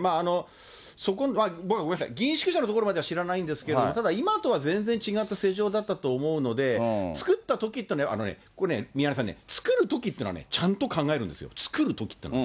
まあ、そこは、僕はごめんなさい、議員宿舎のところまでは知らないんですけど、ただ、今とは全然違った世情だったと思うので、作ったときって、あのね、これね、宮根さん、作るときっていうのはちゃんと考えるんですよ、作るときっていうのは。